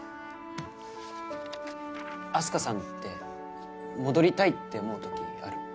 あす花さんって戻りたいって思う時ある？